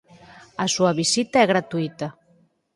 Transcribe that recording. A súa Visita é gratuíta.